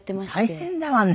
大変だわね。